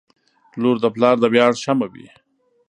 • لور د پلار د ویاړ شمعه وي.